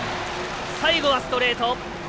最後はストレート。